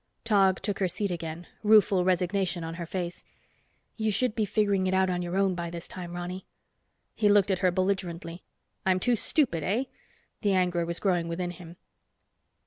Tog took her seat again, rueful resignation on her face. "You should be figuring it out on your own by this time, Ronny." He looked at her belligerently. "I'm too stupid, eh?" The anger was growing within him.